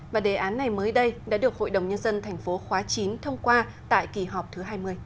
và đề án này mới đây đã được hội đồng nhân dân tp hcm thông qua tại kỳ họp thứ hai mươi